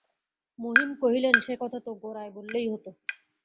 মহিম কহিলেন, সে কথা তো গোড়ায় বললেই হত।